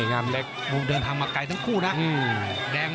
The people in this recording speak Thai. อย่าโดนอย่าโดน